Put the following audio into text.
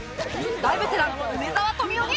大ベテラン梅沢富美男に